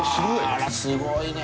あらすごいね。